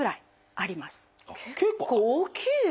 結構大きいです。